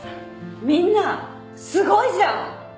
みんなすごいじゃん。